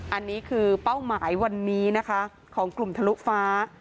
อันนี้คือเป้าหมายวันนี้นะคะของกลุ่มทะลุฟ้า